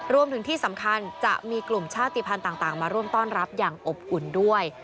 รวมถึงที่สำคัญจะมีกลุ่มชาติภัณฑ์ต่างมาร่วมต้อนรับอย่างอบอุ่นด้วย